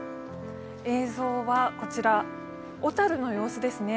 映像はこちら、小樽の様子ですね。